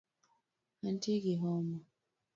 Antie gi homa